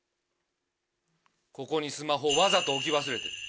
ここにスマホわざと置き忘れてる。